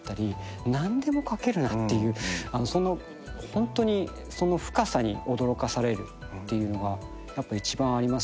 ホントにその深さに驚かされるっていうのがやっぱ一番ありますね。